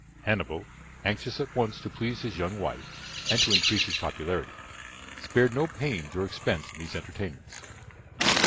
Hannibal, anxious at once to please his young wife and to increase his popularity, spared no pains or expense in these entertainments.